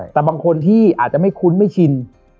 แต่บางคนที่อาจจะไม่คุ้นไม่ชิน